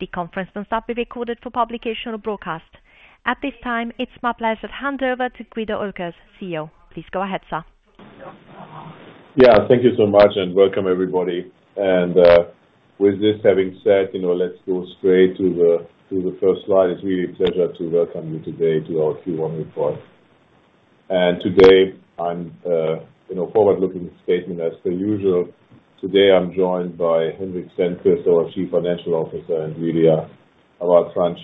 The conference will stop being recorded for publication or broadcast. At this time, it's my pleasure to hand over to Guido Oelkers, CEO. Please go ahead, sir. Yeah, thank you so much, and welcome, everybody. With this having said, you know, let's go straight to the first slide. It's really a pleasure to welcome you today to our Q1 report. And today I'm, you know, forward-looking statement as per usual. Today I'm joined by Henrik Stenqvist, our Chief Financial Officer, and Lydia Abad-Franc,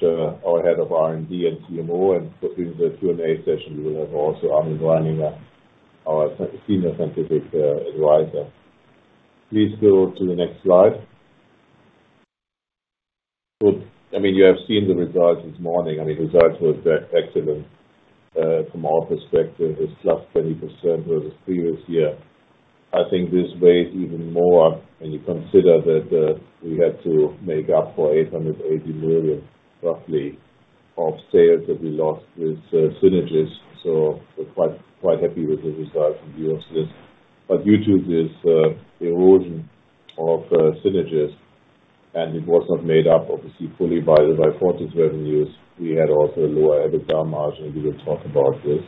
our Head of R&D and CMO. And so during the Q&A session we will have also Armin Reininger, our Senior Scientific Advisor. Please go to the next slide. Good. I mean, you have seen the results this morning. I mean, results were excellent, from our perspective. It's plus 20% versus previous year. I think this weighs even more when you consider that, we had to make up for 880 million, roughly, of sales that we lost with Synagis. So we're quite, quite happy with the results in view of this. But due to this erosion of Synagis and it was not made up, obviously, fully by the Beyfortus revenues, we had also a lower EBITDA margin. We will talk about this.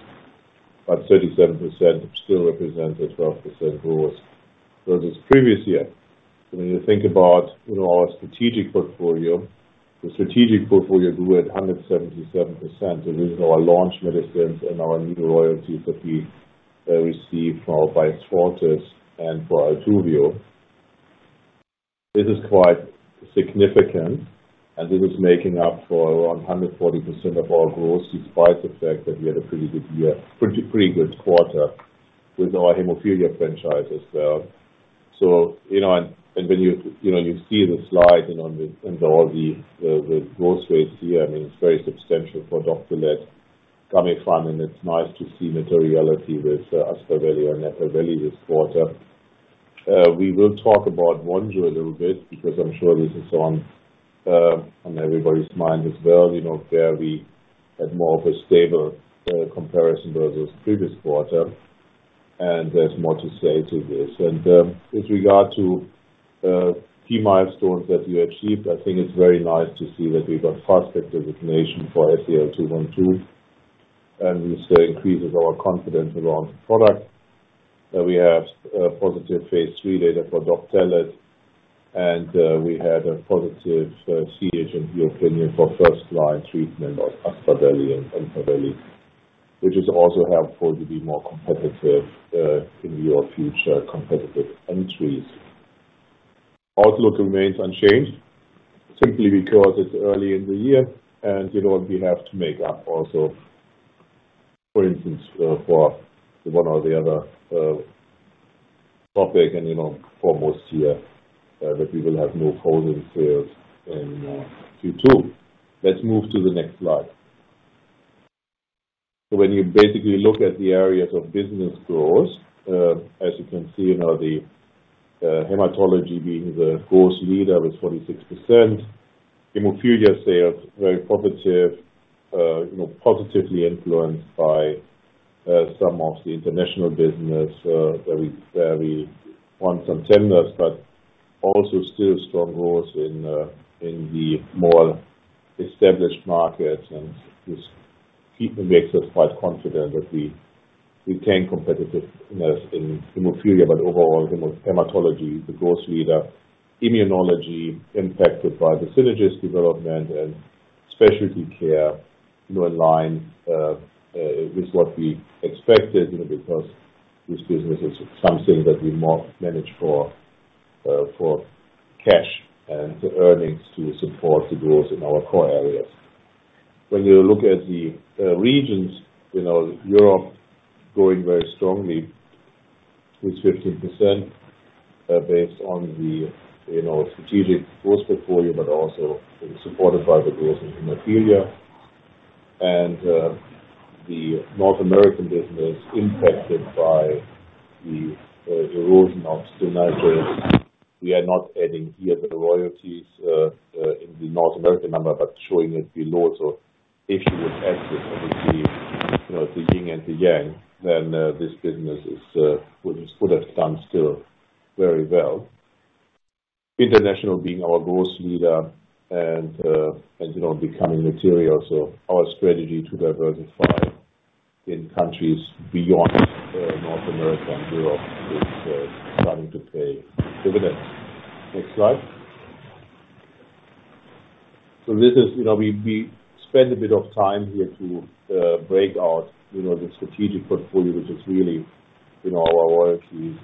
But 37% still represents a 12% growth versus previous year. So when you think about, you know, our strategic portfolio, the strategic portfolio grew at 177%. There is our launch medicines and our new royalties that we received from our Beyfortus and for Altuviiio. This is quite significant. And this is making up for around 140% of our growth despite the fact that we had a pretty good year pretty good quarter with our Hemophilia franchise as well. So, you know, when you see the slide, you know, with all the growth rates here, I mean, it's very substantial for Doptelet, Gamifant, and it's nice to see materiality with Aspaveli or Empaveli this quarter. We will talk about Vonjo a little bit because I'm sure this is on everybody's mind as well, you know, where we had more of a stable comparison versus previous quarter. With regard to key milestones that you achieved, I think it's very nice to see that we've got Fast Track designation for SEL-212. And this increases our confidence around the product. We have positive phase III data for Doptelet. We had a positive CHMP opinion for first-line treatment of Aspaveli and Empaveli, which is also helpful to be more competitive, in view of future competitive entries. Outlook remains unchanged, simply because it's early in the year. You know, we have to make up also, for instance, for the one or the other topic and, you know, for most of the year, that we will have no gross sales in Q2. Let's move to the next slide. So when you basically look at the areas of business growth, as you can see, you know, the hematology being the growth leader with 46%, hemophilia sales very positive, you know, positively influenced by some of the international business, where we won some tenders, but also still strong growth in the more established markets. This keeps us quite confident that we can competitiveness in Hemophilia, but overall hematology, the growth leader, immunology impacted by the Synagis development and specialty care, you know, in line, with what we expected, you know, because this business is something that we more manage for, for cash and earnings to support the growth in our core areas. When you look at the, regions, you know, Europe going very strongly with 15%, based on the, you know, strategic growth portfolio, but also supported by the growth in Hemophilia. And, the North American business impacted by the, erosion of Synagis. We are not adding here the royalties, in the North American number, but showing it below. So if you would add this, obviously, you know, the yin and the yang, then, this business is, would have done still very well. International being our growth leader and, you know, becoming material. Our strategy to diversify in countries beyond North America and Europe is starting to pay dividends. Next slide. This is, you know, we spend a bit of time here to break out, you know, the strategic portfolio, which is really, you know, our royalties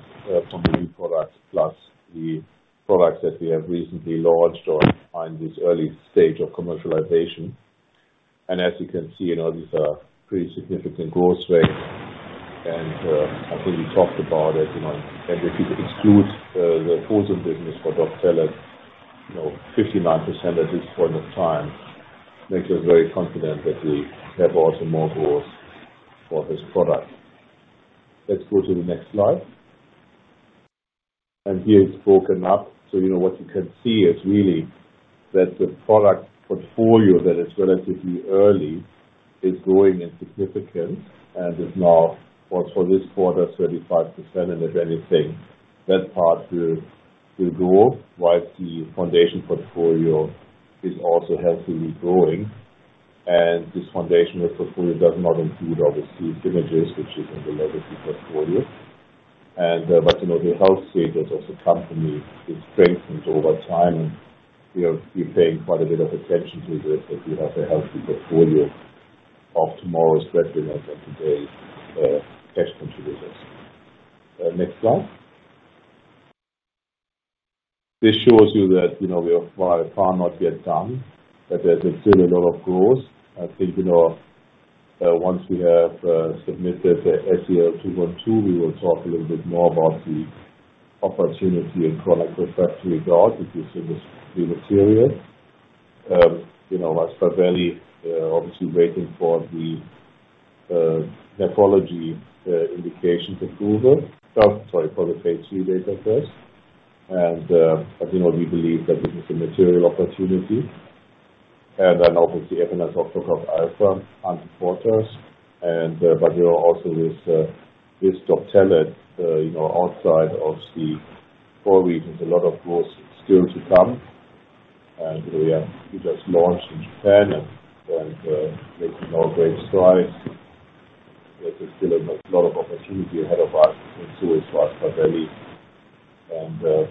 from the new product plus the products that we have recently launched or in this early stage of commercialization. And as you can see, you know, these are pretty significant growth rates. And I think we talked about it, you know, and if you exclude the Frozen business for Doptelet, you know, 59% at this point of time, makes us very confident that we have also more growth for this product. Let's go to the next slide. Here it's broken up. So, you know, what you can see is really that the product portfolio that is relatively early is growing in significance and is now, well, for this quarter, 35%. And if anything, that part will grow whilst the foundation portfolio is also healthily growing. And this foundational portfolio does not include, obviously, Synagis, which is in the legacy portfolio. And, but, you know, the health status of the company is strengthened over time. And we're paying quite a bit of attention to this that we have a healthy portfolio of tomorrow's breadwinners and today's cash contributors. Next slide. This shows you that, you know, we are far not yet done, but there's still a lot of growth. I think, you know, once we have submitted the SEL-212, we will talk a little bit more about the opportunity in chronic refractory gout if you see this be material. You know, Aspaveli, obviously waiting for the nephrology indications approval. Well, sorry, for the Phase III data first. But, you know, we believe that this is a material opportunity. And then, obviously, Altuviiio on the horizon. And, but, you know, also this Doptelet, you know, outside of the core regions, a lot of growth still to come. And, you know, we have just launched in Japan and making great strides. There's still a lot of opportunity ahead of us as well as for Aspaveli. And,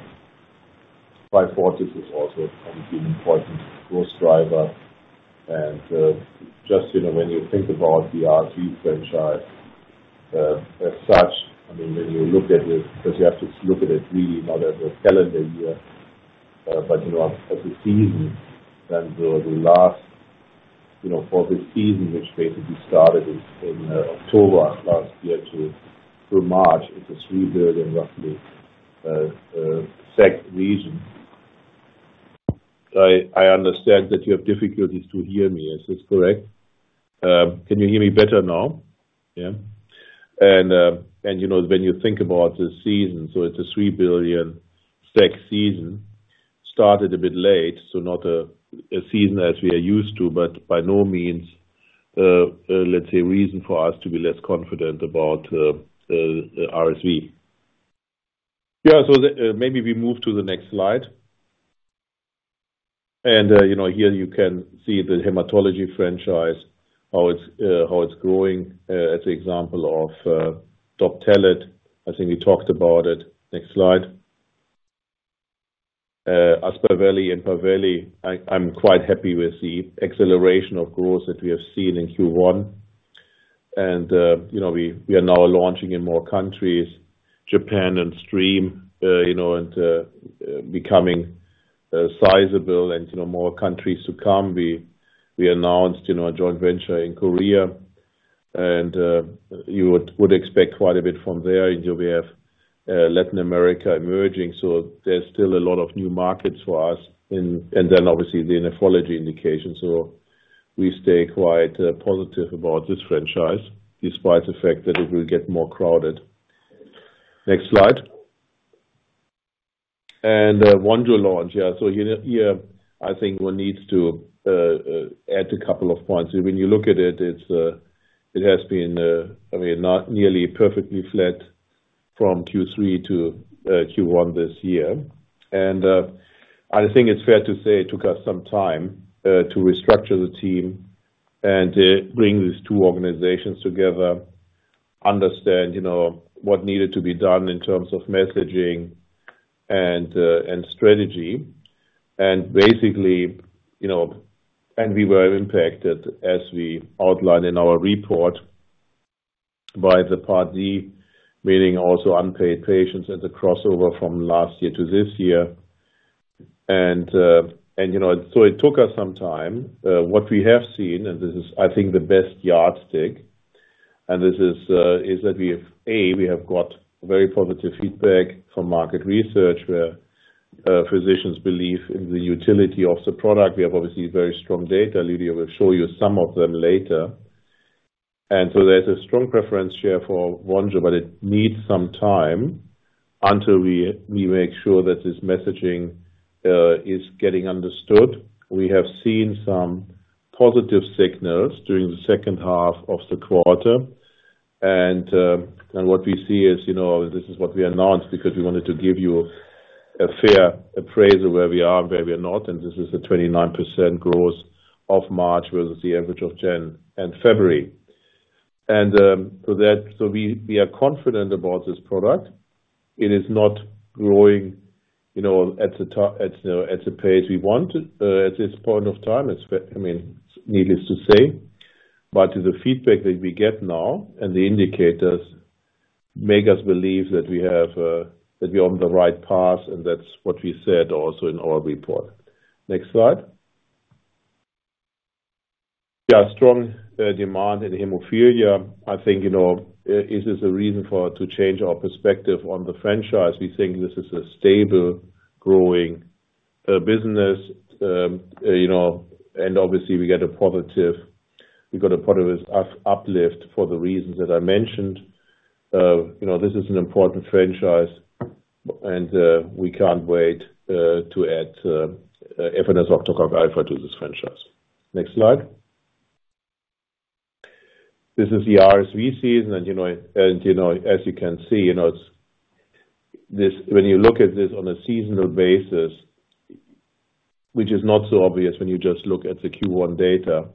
Beyfortus is also an important growth driver. Just, you know, when you think about the R&D franchise, as such, I mean, when you look at it because you have to look at it really not as a calendar year, but, you know, as a season, then the last, you know, for this season, which basically started in, October last year to through March, it's a SEK 3 billion region. I understand that you have difficulties to hear me. Is this correct? Can you hear me better now? Yeah? And, you know, when you think about the season, so it's a 3 billion SEK season, started a bit late, so not a, a season as we are used to, but by no means, let's say, reason for us to be less confident about RSV. Yeah, so the, maybe we move to the next slide. You know, here you can see the hematology franchise, how it's, how it's growing, as an example of Doptelet. I think we talked about it. Next slide. Aspaveli and Empaveli, I'm quite happy with the acceleration of growth that we have seen in Q1. You know, we are now launching in more countries, Japan and China, you know, and becoming sizable, you know, more countries to come. We announced, you know, a joint venture in Korea. You would expect quite a bit from there. You know, we have Latin America emerging. So there's still a lot of new markets for us in, and then, obviously, the nephrology indication. So we stay quite positive about this franchise despite the fact that it will get more crowded. Next slide. And, Vonjo launch. Yeah, so here, I think one needs to add a couple of points. When you look at it has been, I mean, not nearly perfectly flat from Q3 to Q1 this year. I think it's fair to say it took us some time to restructure the team and bring these two organizations together, understand, you know, what needed to be done in terms of messaging and strategy. Basically, you know, we were impacted, as we outlined in our report, by the Part D, meaning also unpaid patients as a crossover from last year to this year. You know, so it took us some time. What we have seen, and this is, I think, the best yardstick, and this is that we have got very positive feedback from market research where physicians believe in the utility of the product. We have, obviously, very strong data. Lydia will show you some of them later. And so there's a strong preference share for Vonjo, but it needs some time until we make sure that this messaging is getting understood. We have seen some positive signals during the second half of the quarter. And what we see is, you know, this is what we announced because we wanted to give you a fair appraisal where we are and where we are not. And this is the 29% growth of March versus the average of Jan and February. So we are confident about this product. It is not growing, you know, at the time, you know, at the pace we want to at this point of time, it's, I mean, needless to say. But the feedback that we get now and the indicators make us believe that we're on the right path. And that's what we said also in our report. Next slide. Yeah, strong demand in hemophilia. I think, you know, this is a reason to change our perspective on the franchise. We think this is a stable, growing business. You know, and obviously, we got a positive uplift for the reasons that I mentioned. You know, this is an important franchise. And we can't wait to add Altuviiio to this franchise. Next slide. This is the RSV season. As you can see, you know, it's this when you look at this on a seasonal basis, which is not so obvious when you just look at the Q1 data.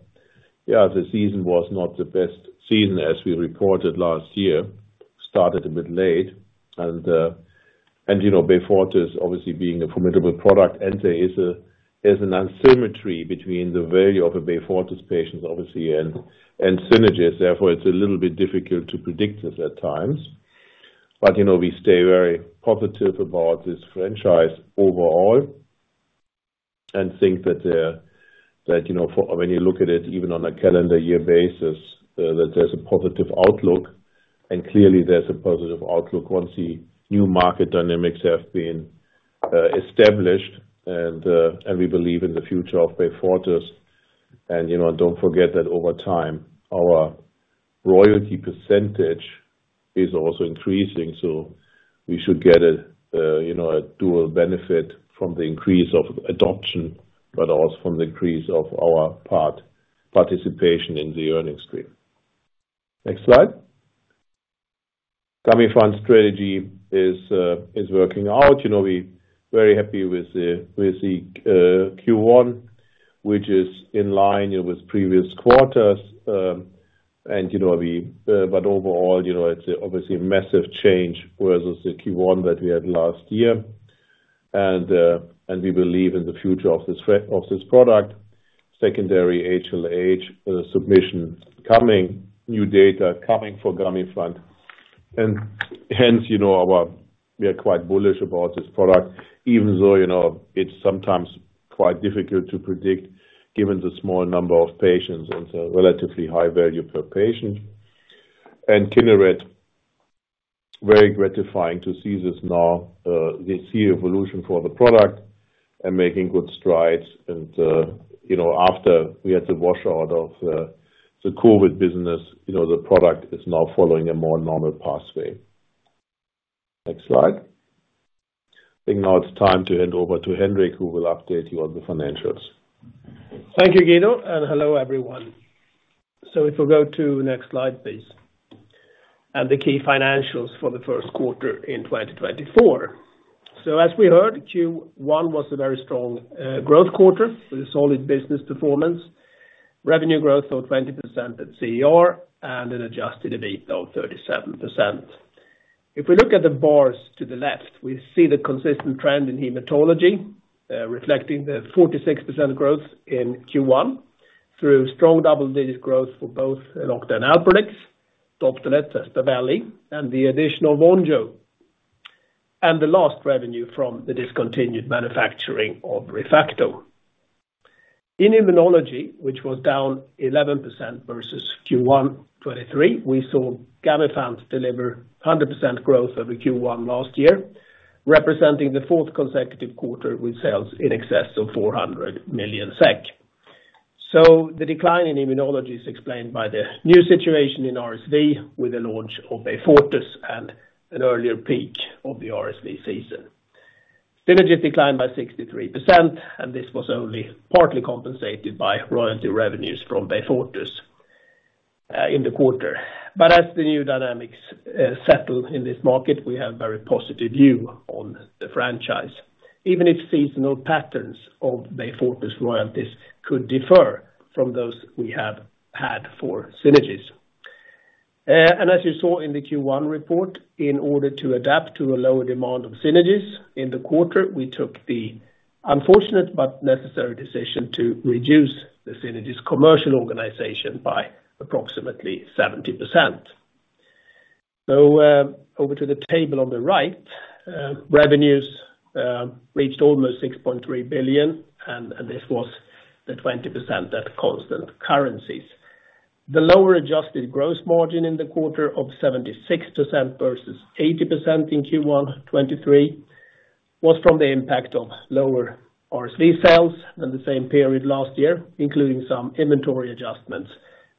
Yeah, the season was not the best season as we reported last year. It started a bit late. And you know, Beyfortus is obviously being a formidable product. And there is there's an asymmetry between the value of a Beyfortus patient, obviously, and Synagis. Therefore, it's a little bit difficult to predict this at times. But you know, we stay very positive about this franchise overall and think that you know, for when you look at it even on a calendar year basis, that there's a positive outlook. And clearly, there's a positive outlook once the new market dynamics have been established and we believe in the future of Beyfortus. You know, don't forget that over time, our royalty percentage is also increasing. So we should get a, you know, a dual benefit from the increase of adoption, but also from the increase of our part participation in the earnings stream. Next slide. Gamifant strategy is working out. You know, we're very happy with the Q1, which is in line, you know, with previous quarters. And, you know, but overall, you know, it's obviously a massive change versus the Q1 that we had last year. And we believe in the future of this product. Secondary HLH, submission coming, new data coming for Gamifant. And hence, you know, we are quite bullish about this product, even though, you know, it's sometimes quite difficult to predict given the small number of patients and the relatively high value per patient. Kineret, very gratifying to see this now, this evolution for the product and making good strides. You know, after we had the washout of the COVID business, you know, the product is now following a more normal pathway. Next slide. I think now it's time to hand over to Hendrik, who will update you on the financials. Thank you, Guido. Hello, everyone. If we go to next slide, please. The key financials for the Q1 in 2024. As we heard, Q1 was a very strong growth quarter with a solid business performance. Revenue growth of 20% at CER and an adjusted EBITDA of 37%. If we look at the bars to the left, we see the consistent trend in hematology, reflecting the 46% growth in Q1 through strong double-digit growth for both Elocta Alprolix, Doptelet, Aspaveli, and the additional Vonjo, and the lost revenue from the discontinued manufacturing of ReFacto. In immunology, which was down 11% versus Q1 2023, we saw Gamifant deliver 100% growth over Q1 last year, representing the fourth consecutive quarter with sales in excess of 400 million SEK. So the decline in immunology is explained by the new situation in RSV with the launch of Beyfortus and an earlier peak of the RSV season. Synagis declined by 63%, and this was only partly compensated by royalty revenues from Beyfortus, in the quarter. But as the new dynamics settle in this market, we have a very positive view on the franchise, even if seasonal patterns of Beyfortus royalties could differ from those we have had for Synagis. And as you saw in the Q1 report, in order to adapt to a lower demand of Synagis in the quarter, we took the unfortunate but necessary decision to reduce the Synagis commercial organization by approximately 70%. So, over to the table on the right, revenues reached almost 6.3 billion. And this was 20% at constant currencies. The lower adjusted gross margin in the quarter of 76% versus 80% in Q1 2023 was from the impact of lower RSV sales than the same period last year, including some inventory adjustments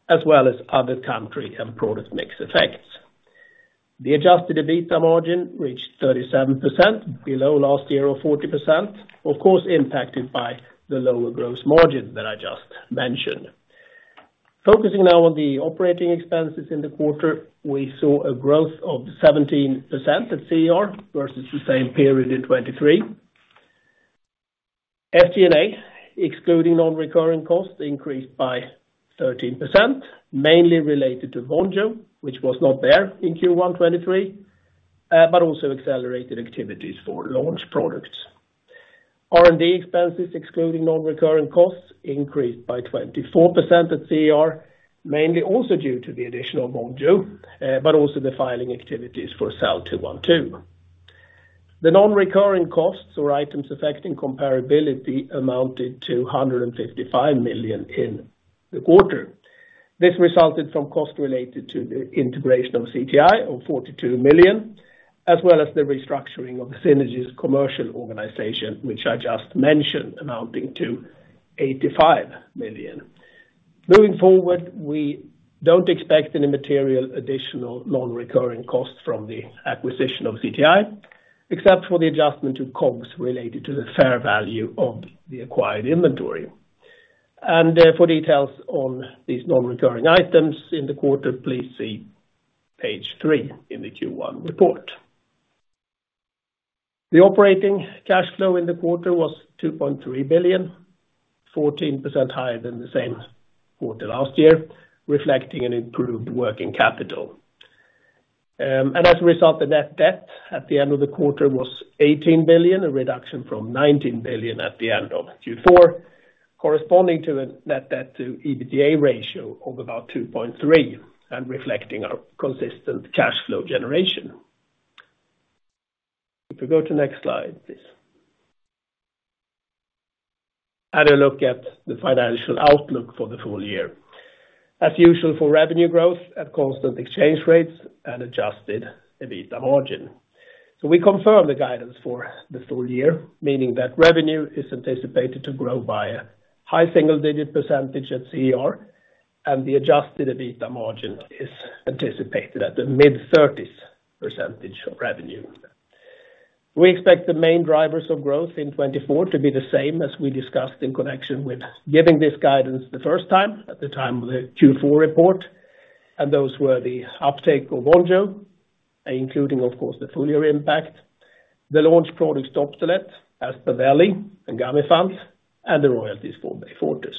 as well as other country and product mix effects. The adjusted EBITDA margin reached 37%, below last year of 40%, of course, impacted by the lower gross margin that I just mentioned. Focusing now on the operating expenses in the quarter, we saw a growth of 17% at CER versus the same period in 2023. SG&A, excluding non-recurring costs, increased by 13%, mainly related to Vonjo, which was not there in Q1 2023, but also accelerated activities for launch products. R&D expenses, excluding non-recurring costs, increased by 24% at CER, mainly also due to the additional Vonjo, but also the filing activities for SEL-212. The non-recurring costs or items affecting comparability amounted to 155 million in the quarter. This resulted from costs related to the integration of CTI BioPharma of 42 million, as well as the restructuring of Synagis commercial organization, which I just mentioned, amounting to 85 million. Moving forward, we don't expect any material additional non-recurring costs from the acquisition of CTI, except for the adjustment to COGS related to the fair value of the acquired inventory. For details on these non-recurring items in the quarter, please see page 3 in the Q1 report. The operating cash flow in the quarter was 2.3 billion, 14% higher than the same quarter last year, reflecting an improved working capital. As a result, the net debt at the end of the quarter was 18 billion, a reduction from 19 billion at the end of Q4, corresponding to a net debt-to-EBITDA ratio of about 2.3 and reflecting our consistent cash flow generation. If we go to next slide, please. Had a look at the financial outlook for the full year. As usual for revenue growth at constant exchange rates and adjusted EBITDA margin. So we confirm the guidance for the full year, meaning that revenue is anticipated to grow by a high single-digit percentage at CER, and the adjusted EBITDA margin is anticipated at the mid-30s percentage of revenue. We expect the main drivers of growth in 2024 to be the same as we discussed in connection with giving this guidance the first time at the time of the Q4 report. And those were the uptake of Vonjo, including, of course, the full-year impact, the launch products Doptelet, Aspaveli, and Gamifant, and the royalties for Beyfortus.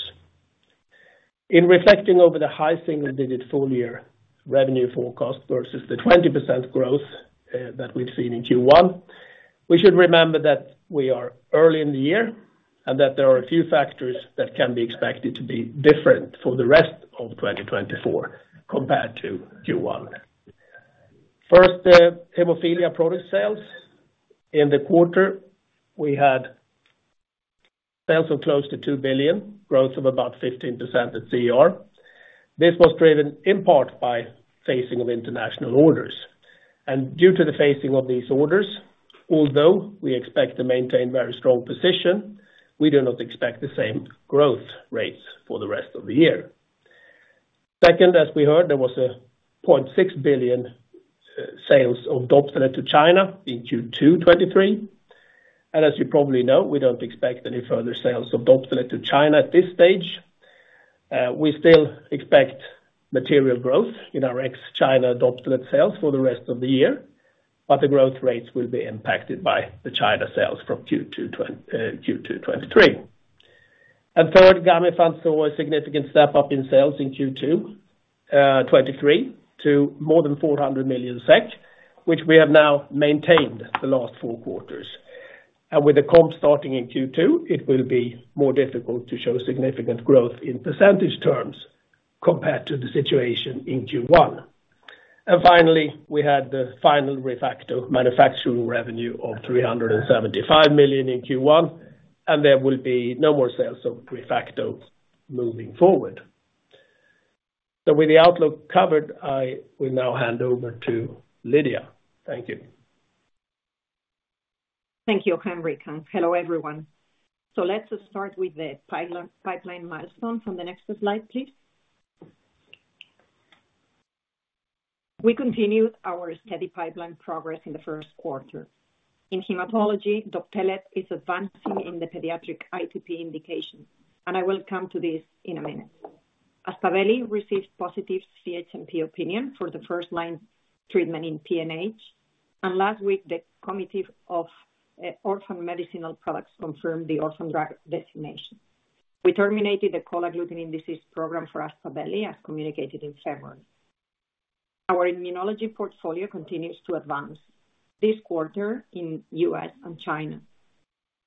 In reflecting over the high single-digit full-year revenue forecast versus the 20% growth that we've seen in Q1, we should remember that we are early in the year and that there are a few factors that can be expected to be different for the rest of 2024 compared to Q1. First, Hemophilia product sales. In the quarter, we had sales of close to 2 billion, growth of about 15% at CER. This was driven in part by fulfillment of international orders. Due to the fulfillment of these orders, although we expect to maintain very strong position, we do not expect the same growth rates for the rest of the year. Second, as we heard, there was 0.6 billion in sales of Doptelet to China in Q2 2023. As you probably know, we don't expect any further sales of Doptelet to China at this stage. We still expect material growth in our ex-China Doptelet sales for the rest of the year, but the growth rates will be impacted by the China sales from Q2 2023. And third, Gamifant saw a significant step up in sales in Q2 2023 to more than 400 million SEK, which we have now maintained the last four quarters. And with the comp starting in Q2, it will be more difficult to show significant growth in percentage terms compared to the situation in Q1. And finally, we had the final Refacto manufacturing revenue of 375 million SEK in Q1. And there will be no more sales of ReFacto moving forward. So with the outlook covered, I will now hand over to Lydia. Thank you. Thank you, Hendrik Stenqvist. Hello, everyone. So let's start with the pipeline milestone. From the next slide, please. We continued our steady pipeline progress in the Q1. In hematology, Doptelet is advancing in the pediatric ITP indication. And I will come to this in a minute. Aspaveli received positive CHMP opinion for the first-line treatment in PNH. Last week, the Committee for Orphan Medicinal Products confirmed the orphan drug designation. We terminated the Cold Agglutinin Disease program for Aspaveli, as communicated in February. Our immunology portfolio continues to advance this quarter in the U.S. and China.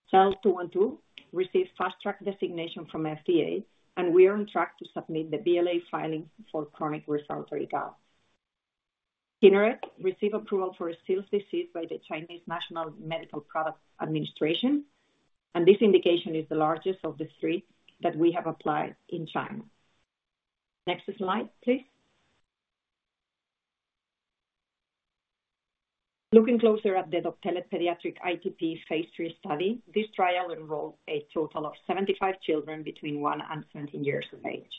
SEL-212 received Fast Track designation from FDA, and we are on track to submit the BLA filing for chronic refractory gout. Kineret received approval for a Still's disease by the Chinese National Medical Product Administration. This indication is the largest of the three that we have applied in China. Next slide, please. Looking closer at the Doptelet pediatric ITP phase III study, this trial enrolled a total of 75 children between 1 and 17 years of age.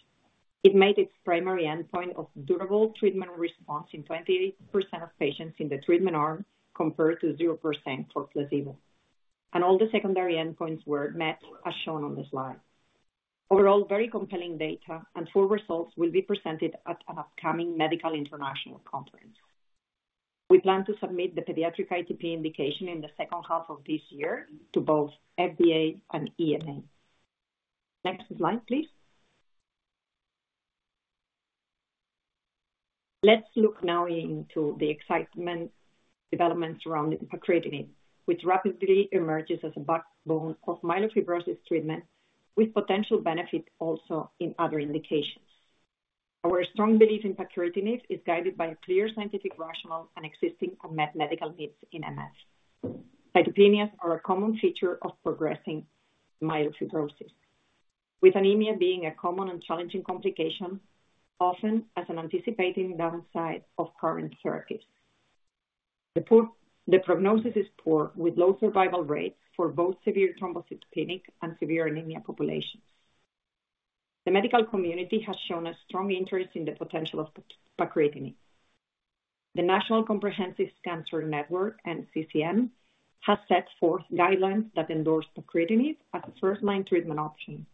It made its primary endpoint of durable treatment response in 28% of patients in the treatment arm compared to 0% for placebo. All the secondary endpoints were met, as shown on the slide. Overall, very compelling data, and full results will be presented at an upcoming medical international conference. We plan to submit the pediatric ITP indication in the second half of this year to both FDA and EMA. Next slide, please. Let's look now into the exciting developments around pacritinib, which rapidly emerges as a backbone of myelofibrosis treatment with potential benefit also in other indications. Our strong belief in pacritinib is guided by a clear scientific rationale and existing unmet medical needs in MF. Cytopenias are a common feature of progressing myelofibrosis, with anemia being a common and challenging complication, often as an anticipated downside of current therapies. The prognosis is poor, with low survival rates for both severe thrombocytopenic and severe anemia populations. The medical community has shown a strong interest in the potential of pacritinib. The National Comprehensive Cancer Network, NCCN, has set forth guidelines that endorse pacritinib as a first-line treatment option,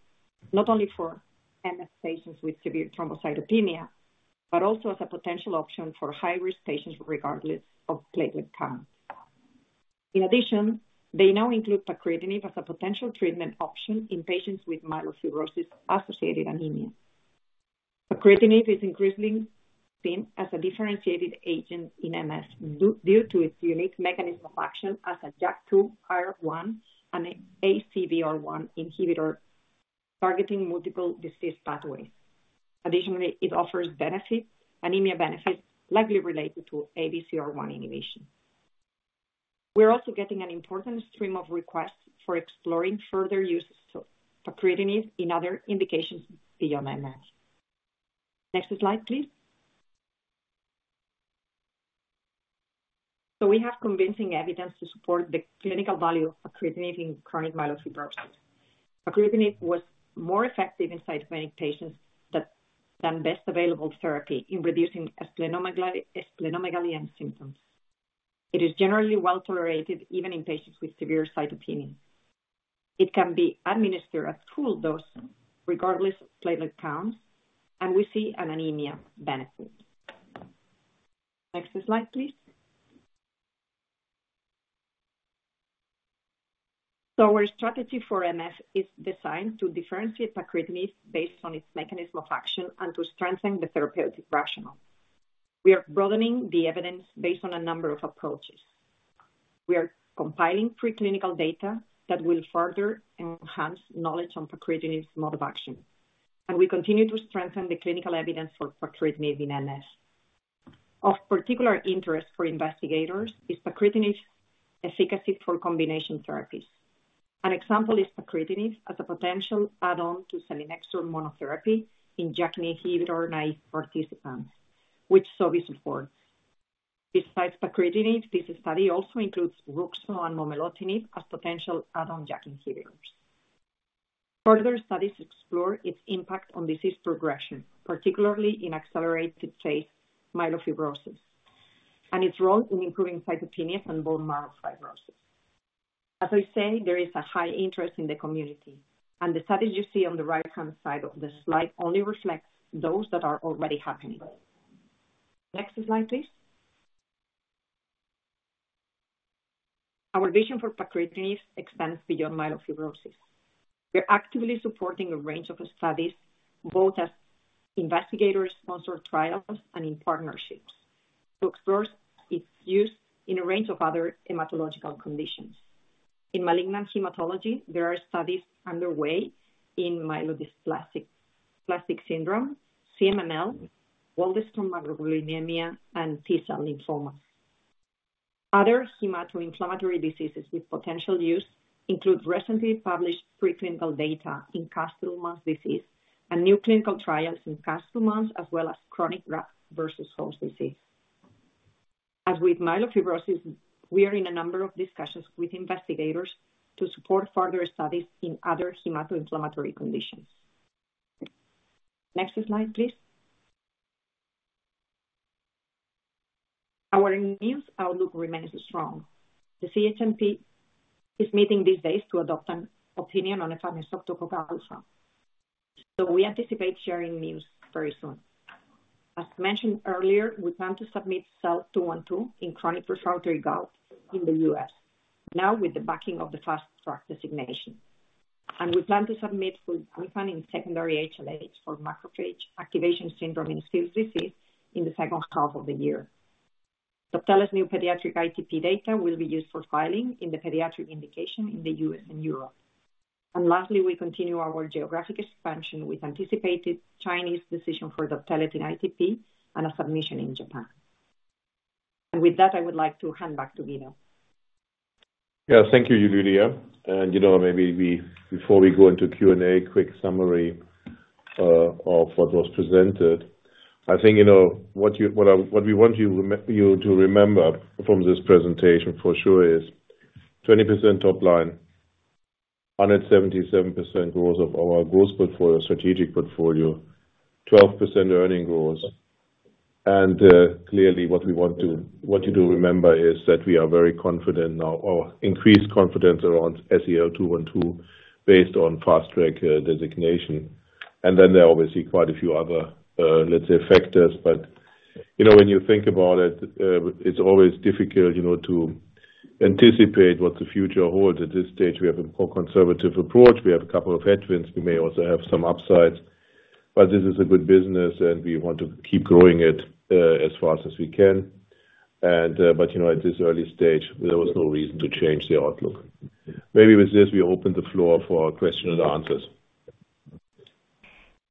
not only for MF patients with severe thrombocytopenia but also as a potential option for high-risk patients regardless of platelet count. In addition, they now include pacritinib as a potential treatment option in patients with myelofibrosis-associated anemia. Pacritinib is increasingly seen as a differentiated agent in MF due to its unique mechanism of action as a JAK2 and IRAK1 inhibitor targeting multiple disease pathways. Additionally, it offers benefits, anemia benefits, likely related to ACVR1 inhibition. We're also getting an important stream of requests for exploring further use of pacritinib in other indications beyond MF. Next slide, please. So we have convincing evidence to support the clinical value of pacritinib in chronic myelofibrosis. Pacritinib was more effective in cytopenic patients than best available therapy in reducing splenomegaly and symptoms. It is generally well tolerated even in patients with severe cytopenia. It can be administered at full dose regardless of platelet counts, and we see an anemia benefit. Next slide, please. So our strategy for MS is designed to differentiate pacritinib based on its mechanism of action and to strengthen the therapeutic rationale. We are broadening the evidence based on a number of approaches. We are compiling preclinical data that will further enhance knowledge on pacritinib's mode of action. And we continue to strengthen the clinical evidence for pacritinib in MS. Of particular interest for investigators is pacritinib's efficacy for combination therapies. An example is pacritinib as a potential add-on to Selinexor monotherapy in JAK2 inhibitor naive participants, which Sobi supported. Besides pacritinib, this study also includes Ruxo and momelotinib as potential add-on JAK2 inhibitors. Further studies explore its impact on disease progression, particularly in accelerated-phase myelofibrosis and its role in improving cytopenias and bone marrow fibrosis. As I say, there is a high interest in the community, and the studies you see on the right-hand side of the slide only reflect those that are already happening. Next slide, please. Our vision for pacritinib extends beyond myelofibrosis. We're actively supporting a range of studies, both as investigator-sponsored trials and in partnerships, to explore its use in a range of other hematological conditions. In malignant hematology, there are studies underway in myelodysplastic syndrome, CMML, Waldenström macroglobulinemia, and T-cell lymphoma. Other hemato-inflammatory diseases with potential use include recently published preclinical data in Castleman's disease and new clinical trials in Castleman's as well as chronic graft-versus-host disease. As with myelofibrosis, we are in a number of discussions with investigators to support further studies in other hemato-inflammatory conditions. Next slide, please. Our news outlook remains strong. The CHMP is meeting these days to adopt an opinion on Altuviiio. So we anticipate sharing news very soon. As mentioned earlier, we plan to submit SEL-212 in chronic refractory gout in the US, now with the backing of the Fast Track designation. And we plan to submit Gamifant in secondary HLH for macrophage activation syndrome in Still's disease in the second half of the year. Doptelet's new pediatric ITP data will be used for filing in the pediatric indication in the U.S. and Europe. And lastly, we continue our geographic expansion with anticipated Chinese decision for Doptelet in ITP and a submission in Japan. And with that, I would like to hand back to Guido. Yeah. Thank you, Lydia. You know, maybe before we go into Q&A, a quick summary of what was presented. I think, you know, what you - what I what we want you to remember from this presentation, for sure, is 20% top line, 177% growth of our growth portfolio, strategic portfolio, 12% earnings growth. And, clearly, what we want to, what you do remember is that we are very confident now or increased confidence around SEL-212 based on Fast Track designation. And then there are obviously quite a few other, let's say, factors. But, you know, when you think about it, it's always difficult, you know, to anticipate what the future holds. At this stage, we have a more conservative approach. We have a couple of headwinds. We may also have some upsides. But this is a good business, and we want to keep growing it, as fast as we can. But you know, at this early stage, there was no reason to change the outlook. Maybe with this, we open the floor for questions and answers.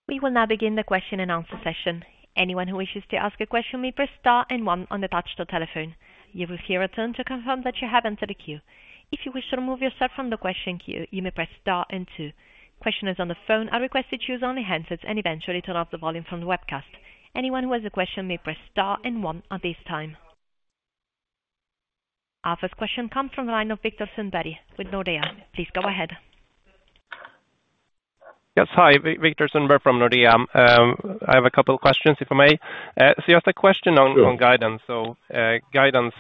We will now begin the question-and-answer session. Anyone who wishes to ask a question may press Star and one on the touch-tone telephone. You will hear a tone to confirm that you have entered a queue. If you wish to remove yourself from the question queue, you may press Star and 2. Questioners on the phone are requested to use only handsets and eventually turn off the volume from the webcast. Anyone who has a question may press Star and one at this time. Our first question comes from the line of Viktor Sundberg with Nordea. Please go ahead. Yes. Hi. Viktor Sundberg from Nordea. I have a couple of questions, if I may. So you asked a question on guidance. So, guidance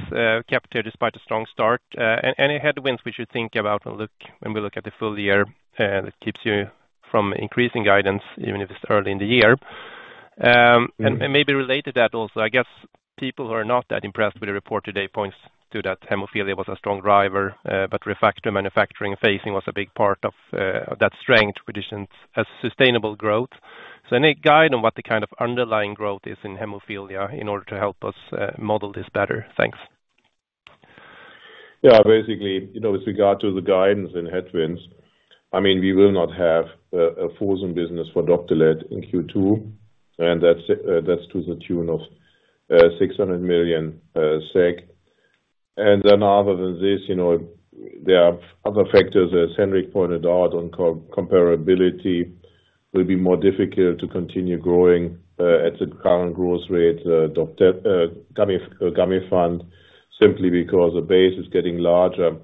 kept here despite a strong start. Any headwinds we should think about when we look at the full year that keeps you from increasing guidance even if it's early in the year? And maybe related to that also, I guess, people who are not that impressed with the report today point to that hemophilia was a strong driver, but ReFacto manufacturing phasing was a big part of that strength, which isn't as sustainable growth. So any guide on what the kind of underlying growth is in hemophilia in order to help us model this better? Thanks. Yeah. Basically, you know, with regard to the guidance and headwinds, I mean, we will not have a frozen business for Doptelet in Q2. And that's to the tune of 600 million SEK. And then other than this, you know, there are other factors, as Hendrik pointed out, on comparability. It will be more difficult to continue growing, at the current growth rate, Doptelet Gamifant, simply because the base is getting larger.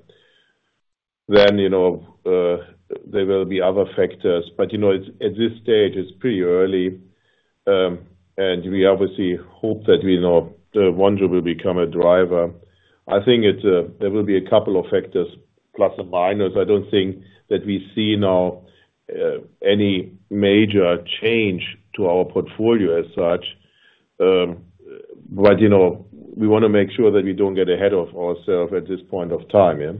Then, you know, there will be other factors. But, you know, it's at this stage, it's pretty early. And we obviously hope that, you know, the Vonjo will become a driver. I think it's, there will be a couple of factors plus and minus. I don't think that we see now, any major change to our portfolio as such. But, you know, we want to make sure that we don't get ahead of ourselves at this point of time, yeah?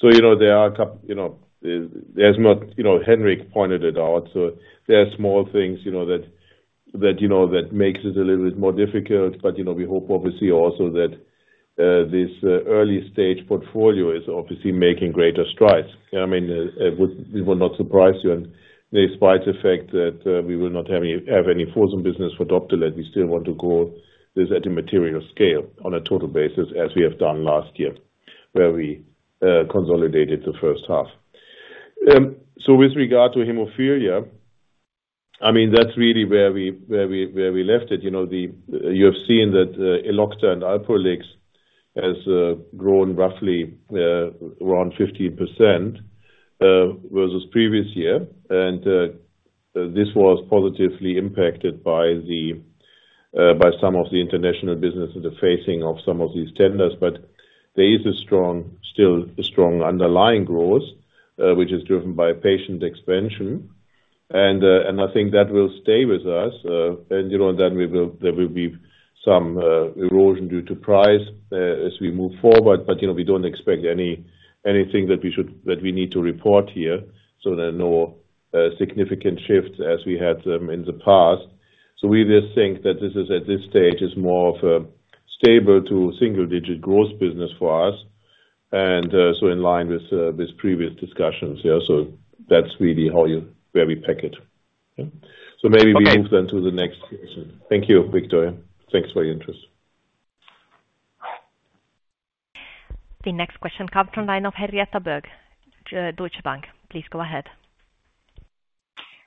So, you know, there are a couple you know, there's not you know, Hendrik pointed it out. So there are small things, you know, that makes it a little bit more difficult. But, you know, we hope obviously also that this early-stage portfolio is obviously making greater strides. I mean, it would not surprise you. And despite the fact that we will not have any frozen business for Doptelet, we still want to grow this at a material scale on a total basis as we have done last year, where we consolidated the first half. So with regard to hemophilia, I mean, that's really where we left it. You know, you have seen that Elocta and Alprolix has grown roughly around 15% versus previous year. And this was positively impacted by the, by some of the international business interfacing of some of these tenders. But there is still a strong underlying growth, which is driven by patient expansion. And I think that will stay with us. And, you know, then there will be some erosion due to price, as we move forward. But, you know, we don't expect anything that we need to report here. So there are no significant shifts as we had in the past. So we just think that this, at this stage, is more of a stable to single-digit growth business for us. And, so in line with previous discussions, yeah? So that's really how we peg it, yeah? So maybe we move then to the next question. Thank you, Viktor. Thanks for your interest. The next question comes from the line of Henrietta Boeg, Deutsche Bank. Please go ahead.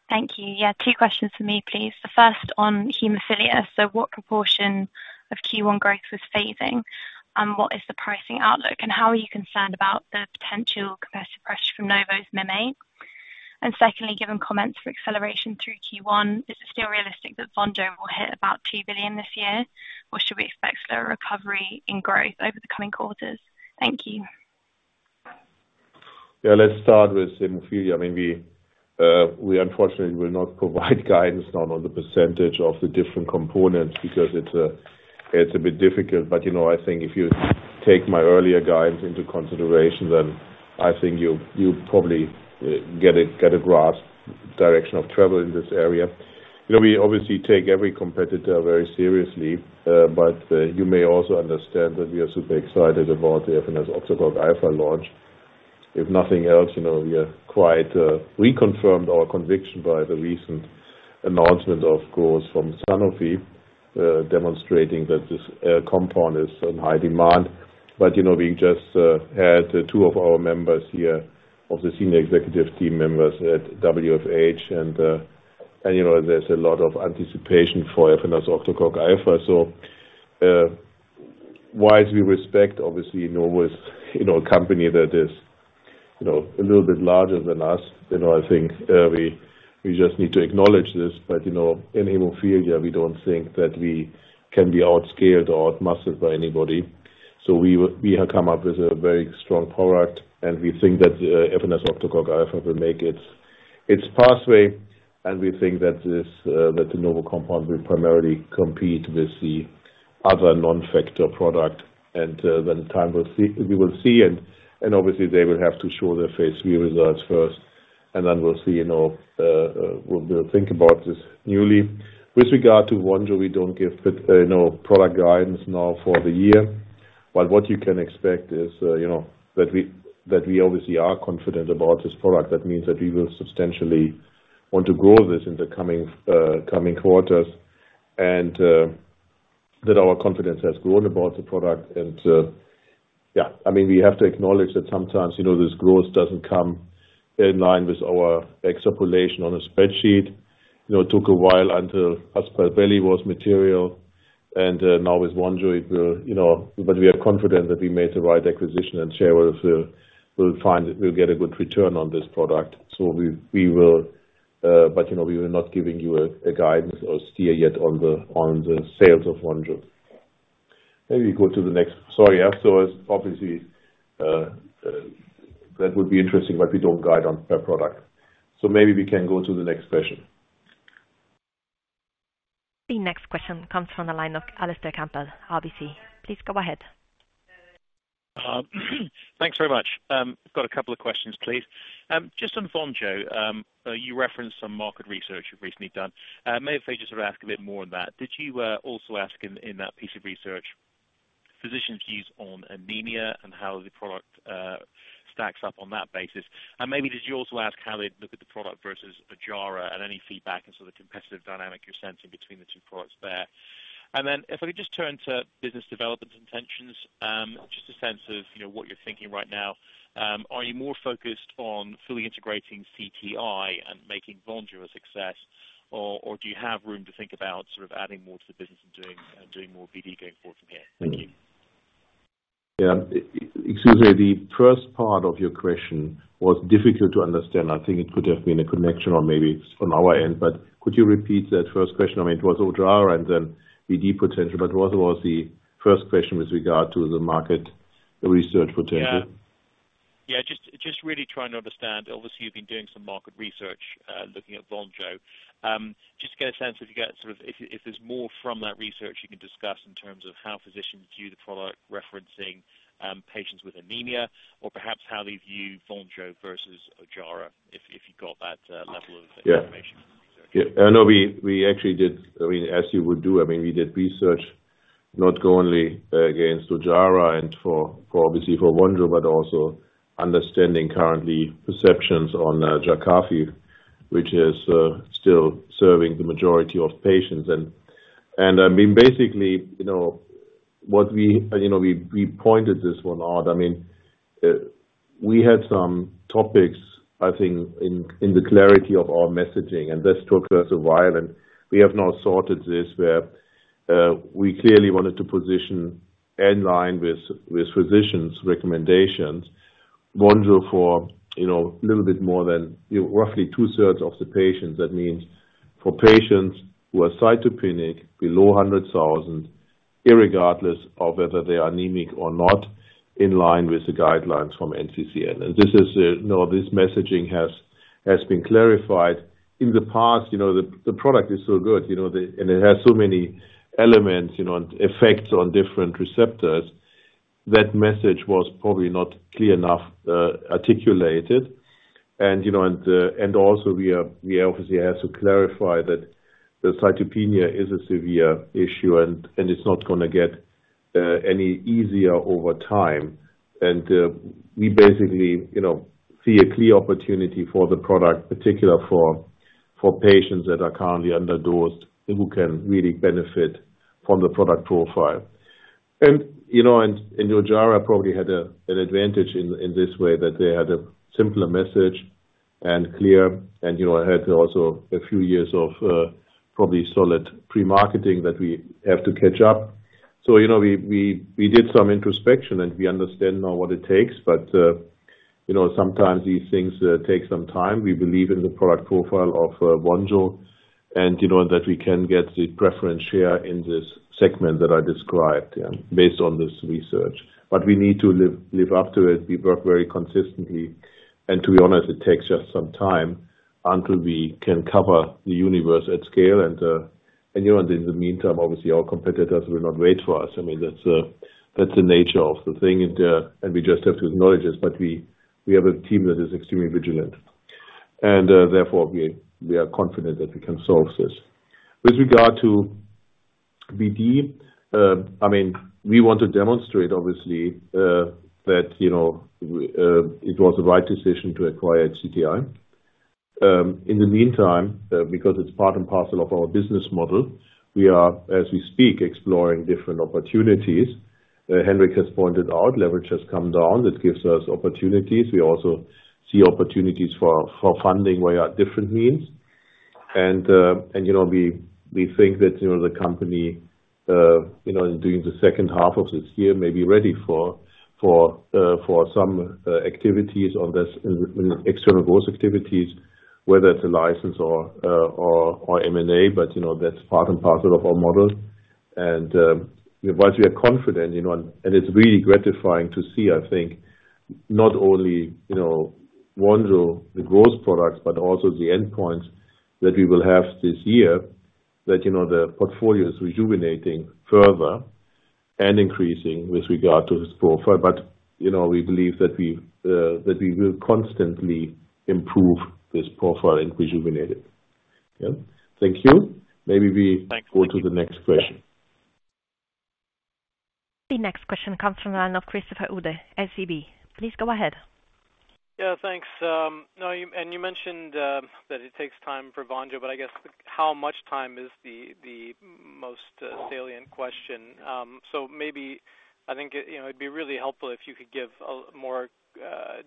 Thank you. Yeah. Two questions for me, please. The first on hemophilia. So what proportion of Q1 growth was phasing? And what is the pricing outlook? And how are you concerned about the potential competitive pressure from Novo's Mim8? And secondly, given comments for acceleration through Q1, is it still realistic that Vonjo will hit about 2 billion this year, or should we expect slower recovery in growth over the coming quarters? Thank you. Yeah. Let's start with hemophilia. I mean, we unfortunately will not provide guidance now on the percentage of the different components because it's a bit difficult. But, you know, I think if you take my earlier guidance into consideration, then I think you'll probably get a grasp direction of travel in this area. You know, we obviously take every competitor very seriously. But you may also understand that we are super excited about the efanesoctocog alfa launch. If nothing else, you know, we are quite reconfirmed our conviction by the recent announcement of growth from Sanofi, demonstrating that this compound is in high demand. But you know, we just had two of our members here of the senior executive team members at WFH. And you know, there's a lot of anticipation for efanesoctocog alfa. So while we respect, obviously, Novo is, you know, a company that is, you know, a little bit larger than us. You know, I think we just need to acknowledge this. But you know, in hemophilia, we don't think that we can be outscaled or outmuscled by anybody. So we will we have come up with a very strong product, and we think that efanesoctocog alfa will make its pathway. We think that this, that the Novo compound will primarily compete with the other non-factor product. Then time we will see. And obviously, they will have to show their phase III results first. And then we'll see, you know, we'll think about this newly. With regard to Vonjo, we don't give, you know, product guidance now for the year. But what you can expect is, you know, that we, that we obviously are confident about this product. That means that we will substantially want to grow this in the coming quarters. And that our confidence has grown about the product. And yeah. I mean, we have to acknowledge that sometimes, you know, this growth doesn't come in line with our extrapolation on a spreadsheet. You know, it took a while until Aspaveli was material. Now with Vonjo, it will, you know, but we are confident that we made the right acquisition and shareholders will find - we'll get a good return on this product. So we, we will but, you know, we are not giving you a guidance or steer yet on the sales of Vonjo. Maybe we go to the next, sorry. Afterwards, obviously, that would be interesting, but we don't guide on per product. So maybe we can go to the next question. The next question comes from the line of Alistair Campbell, RBC. Please go ahead. Thanks very much. I've got a couple of questions, please. Just on Vonjo, you referenced some market research you've recently done. Maybe if I just sort of ask a bit more on that. Did you also ask in that piece of research physicians' views on anemia and how the product stacks up on that basis? And maybe did you also ask how they'd look at the product versus Ojjaara and any feedback and sort of competitive dynamic you're sensing between the two products there? And then if I could just turn to business development intentions, just a sense of, you know, what you're thinking right now. Are you more focused on fully integrating CTI and making Vonjo a success, or do you have room to think about sort of adding more to the business and doing more BD going forward from here? Thank you. Yeah. Excuse me. The first part of your question was difficult to understand. I think it could have been a connection or maybe on our end. But could you repeat that first question? I mean, it was Ojjaara and then BD potential. But what was the first question with regard to the market research potential? Yeah. Just, just really trying to understand obviously, you've been doing some market research, looking at Vonjo. Just to get a sense if you get sort of if there's more from that research you can discuss in terms of how physicians view the product referencing, patients with anemia or perhaps how they view Vonjo versus Ojjaara if you got that, level of information from research. Yeah. I know we actually did I mean, as you would do, I mean, we did research not only, against Ojjaara and for obviously, for Vonjo but also understanding current perceptions on, Jakafi, which is, still serving the majority of patients. I mean, basically, you know, what we, you know, we pointed this one out. I mean, we had some topics, I think, in the clarity of our messaging. And this took us a while. And we have now sorted this where we clearly wanted to position in line with physicians' recommendations. Vonjo for, you know, a little bit more than you roughly two-thirds of the patients. That means for patients who are cytopenic below 100,000, irregardless of whether they are anemic or not, in line with the guidelines from NCCN. And this is, you know, this messaging has been clarified. In the past, you know, the product is so good, you know, and it has so many elements, you know, and effects on different receptors, that message was probably not clear enough articulated. You know, also, we obviously have to clarify that the cytopenia is a severe issue, and it's not going to get any easier over time. We basically, you know, see a clear opportunity for the product, particularly for patients that are currently underdosed, who can really benefit from the product profile. You know, and Ojjaara probably had an advantage in this way that they had a simpler message and clear. You know, it had also a few years of probably solid pre-marketing that we have to catch up. So, you know, we did some introspection, and we understand now what it takes. But, you know, sometimes these things take some time. We believe in the product profile of Vonjo, you know, that we can get the preference share in this segment that I described, yeah, based on this research. But we need to live up to it. We work very consistently. And to be honest, it takes just some time until we can cover the universe at scale. And you know, in the meantime, obviously, our competitors will not wait for us. I mean, that's the nature of the thing. And we just have to acknowledge it. But we have a team that is extremely vigilant. And therefore, we are confident that we can solve this. With regard to BD, I mean, we want to demonstrate, obviously, that you know, it was the right decision to acquire CTI. In the meantime, because it's part and parcel of our business model, we are, as we speak, exploring different opportunities. Hendrik has pointed out leverage has come down. That gives us opportunities. We also see opportunities for funding via different means. And, and, you know, we think that, you know, the company, you know, in doing the second half of this year, may be ready for some, activities on this external growth activities, whether it's a license or M&A. But, you know, that's part and parcel of our model. And, while we are confident, you know and it's really gratifying to see, I think, not only, you know, Vonjo, the growth products, but also the endpoints that we will have this year, that, you know, the portfolio is rejuvenating further and increasing with regard to its profile. But, you know, we believe that we've that we will constantly improve this profile and rejuvenate it, yeah? Thank you. Maybe we go to the next question. Thank you. The next question comes from the line of Christopher Uhde, SEB. Please go ahead. Yeah. Thanks. No, you mentioned that it takes time for Vonjo. But I guess how much time is the most salient question? So maybe I think it, you know, it'd be really helpful if you could give more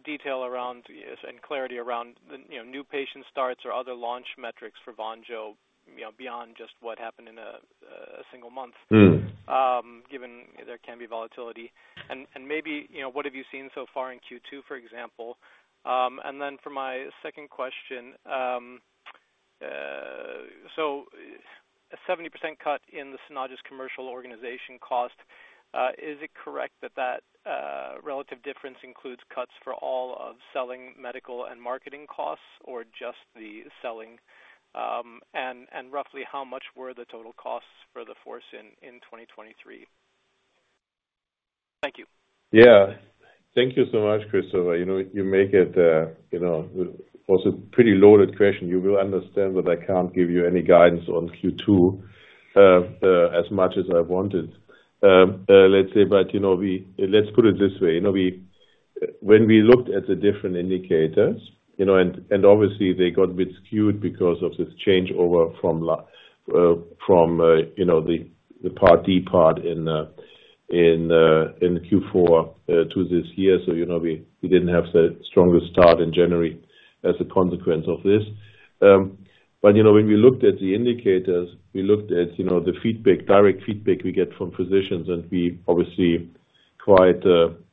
detail around, you know, and clarity around the, you know, new patient starts or other launch metrics for Vonjo, you know, beyond just what happened in a single month, given there can be volatility. And maybe, you know, what have you seen so far in Q2, for example? And then for my second question, so a 70% cut in the Synagis commercial organization cost. Is it correct that that relative difference includes cuts for all of selling medical and marketing costs or just the selling? And roughly, how much were the total costs for Synagis in 2023? Thank you. Yeah. Thank you so much, Christopher. You know, you make it, you know, also pretty loaded question. You will understand that I can't give you any guidance on Q2, as much as I wanted, let's say. But you know, we let's put it this way. You know, we when we looked at the different indicators, you know, and obviously, they got a bit skewed because of this changeover from last, from the Part D in Q4 to this year. So, you know, we didn't have the strongest start in January as a consequence of this. But, you know, when we looked at the indicators, we looked at, you know, the direct feedback we get from physicians. And we're obviously quite,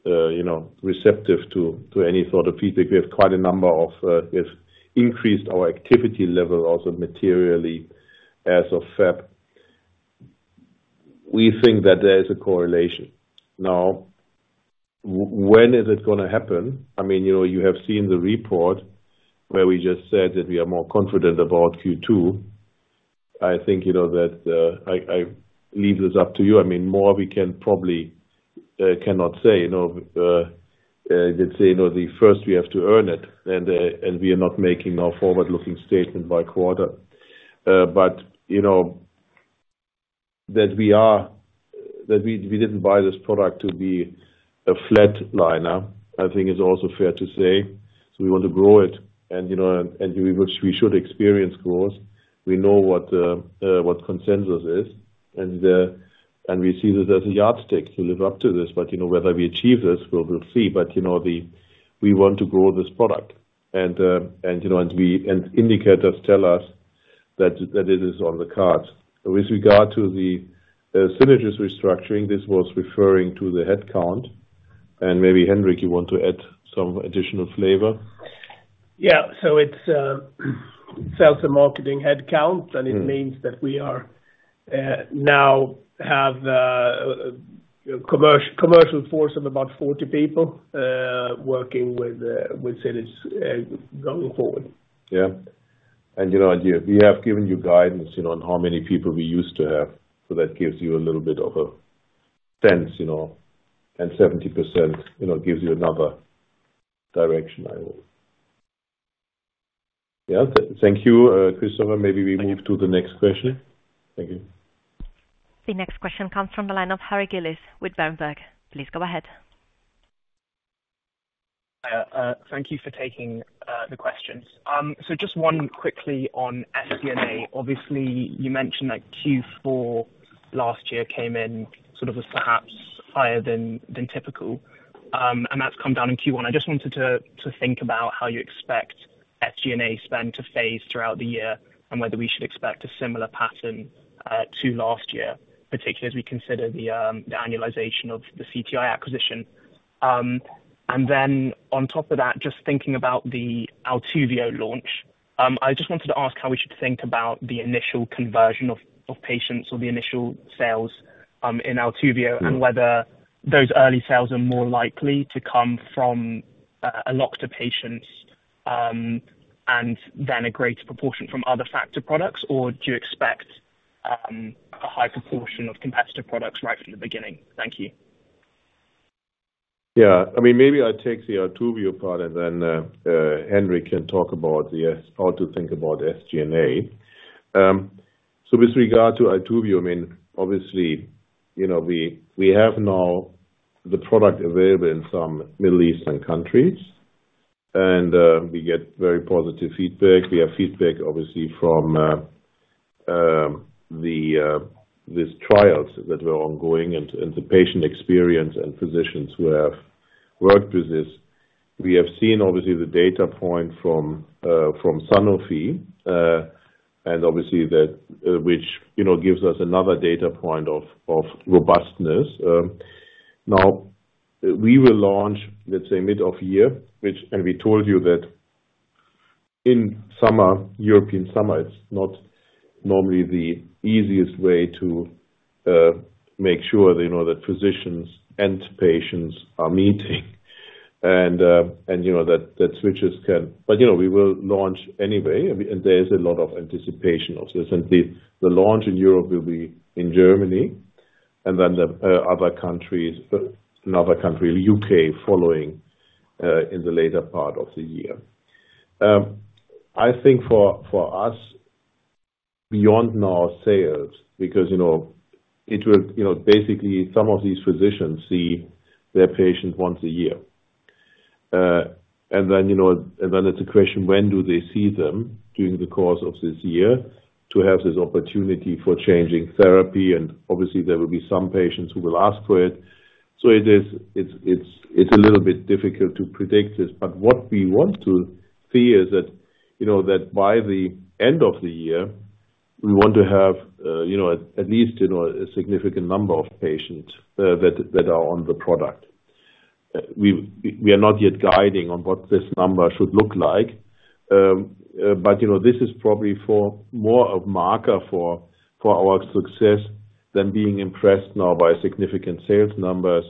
you know, receptive to any sort of feedback. We have quite a number of; we have increased our activity level also materially as of February. We think that there is a correlation. Now, when is it going to happen? I mean, you know, you have seen the report where we just said that we are more confident about Q2. I think, you know, that I leave this up to you. I mean, more we can probably cannot say. You know, let's say, you know, the first; we have to earn it. And we are not making our forward-looking statement by quarter. But, you know, that we didn't buy this product to be a flat liner, I think, is also fair to say. So we want to grow it. And, you know, and we will, we should experience growth. We know what consensus is. And we see this as a yardstick to live up to this. But, you know, whether we achieve this, we'll see. But, you know, we want to grow this product. And, you know, and indicators tell us that it is on the cards. With regard to the Synagis restructuring, this was referring to the headcount. And maybe, Hendrik, you want to add some additional flavor. Yeah. So it's also marketing headcount. And it means that we now have a commercial force of about 40 people, working with Synagis going forward. Yeah. You know, we have given you guidance, you know, on how many people we used to have. So that gives you a little bit of a sense, you know. And 70%, you know, gives you another direction, I hope. Yeah. Thank you, Christopher. Maybe we move to the next question. Thank you. The next question comes from the line of Harry Gillis with Berenberg. Please go ahead. Hi. Thank you for taking the questions. So just one quickly on SG&A. Obviously, you mentioned that Q4 last year came in sort of as perhaps higher than typical. And that's come down in Q1. I just wanted to think about how you expect SG&A spend to phase throughout the year and whether we should expect a similar pattern to last year, particularly as we consider the annualization of the CTI acquisition and then on top of that, just thinking about the Altuviiio launch, I just wanted to ask how we should think about the initial conversion of patients or the initial sales in Altuviiio and whether those early sales are more likely to come from a lot of patients and then a greater proportion from other factor products? Or do you expect a high proportion of competitive products right from the beginning? Thank you. Yeah. I mean, maybe I take the Altuviiio part, and then Hendrik can talk about the how to think about SG&A. So with regard to Altuviiio, I mean, obviously, you know, we have now the product available in some Middle Eastern countries. And we get very positive feedback. We have feedback, obviously, from these trials that were ongoing and the patient experience and physicians who have worked with this. We have seen, obviously, the data point from Sanofi, and obviously, that which, you know, gives us another data point of robustness. Now, we will launch, let's say, mid of year, which we told you that in summer, European summer, it's not normally the easiest way to make sure, you know, that physicians and patients are meeting. And, you know, that switches can, but, you know, we will launch anyway. And there is a lot of anticipation of this. And the launch in Europe will be in Germany. And then other countries, another country, the U.K., following in the later part of the year. I think for us, beyond now sales, because, you know, it will, you know, basically, some of these physicians see their patient once a year. And then, you know, and then it's a question: when do they see them during the course of this year to have this opportunity for changing therapy? And obviously, there will be some patients who will ask for it. So it's a little bit difficult to predict this. But what we want to see is that, you know, that by the end of the year, we want to have, you know, at least, you know, a significant number of patients that are on the product. We are not yet guiding on what this number should look like. But, you know, this is probably more of a marker for our success than being impressed now by significant sales numbers.